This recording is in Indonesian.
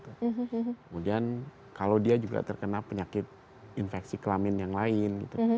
kemudian kalau dia juga terkena penyakit infeksi kelamin yang lain